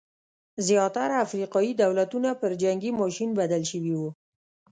زیاتره افریقايي دولتونه پر جنګي ماشین بدل شوي وو.